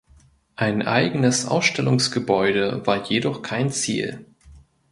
Ein eigenes Ausstellungsgebäude war jedoch kein Ziel.